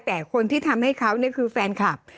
แต่คนที่ทำให้เขาคือแฟนคลับ